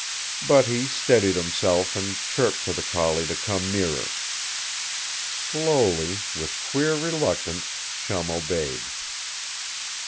But he steadied himself and chirped to the collie to come nearer. Slowly, with queer reluctance, Chum obeyed.